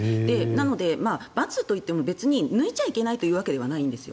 なので、×といっても別に抜いちゃいけないわけじゃないんです。